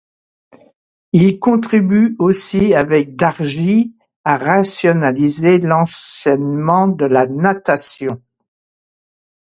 Il contribue aussi avec d'Argy à rationaliser l'enseignement de la natation.